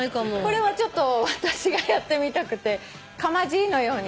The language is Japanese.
これはちょっと私がやってみたくて釜爺のように。